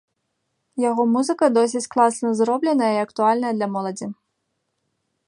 Яго музыка досыць класна зробленая і актуальная для моладзі.